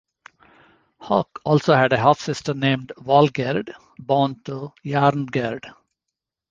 Hauk also had a half-sister named Valgerd, born to Jarngerd.